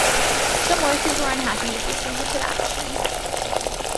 Some workers were unhappy with this limited action.